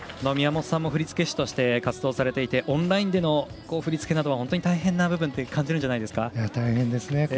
宮本さんも振付師として活動されてオンラインでの振り付けは本当に大変な部分と感じるんじゃないですかね。